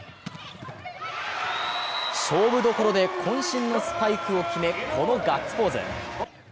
勝負どころで、こん身のスパイクを決めこのガッツポーズ。